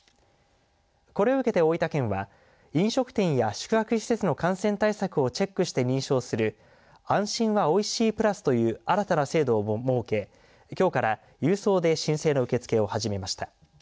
これを受けて大分県は、飲食店や宿泊施設の感染対策をチェックして認証する安心はおいしいプラスという新たな制度を設けきょうから郵送で申請の受け付けを始めました。